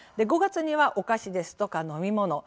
５月には、お菓子ですとか飲み物